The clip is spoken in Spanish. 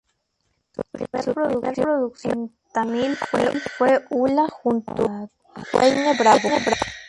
Su primer producción en tamil fue "Ula" junto a Dwayne Bravo.